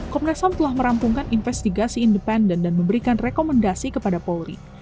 komnas ham telah merampungkan investigasi independen dan memberikan rekomendasi kepada polri